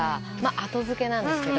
後付けなんですけど。